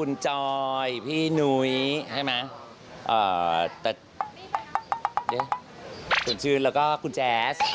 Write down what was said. คุณจอยพี่หนุ้ยใช่ไหมเอ่อแต่นี่ชนชื่นแล้วก็คุณแจ๊ส